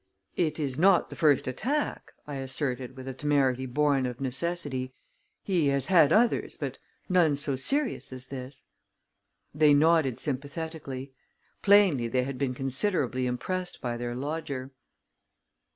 "It is not the first attack," I asserted, with a temerity born of necessity. "He has had others, but none so serious as this." They nodded sympathetically. Plainly they had been considerably impressed by their lodger.